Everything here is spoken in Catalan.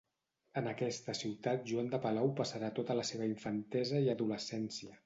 En aquesta ciutat Joan de Palau passarà tota la seva infantesa i adolescència.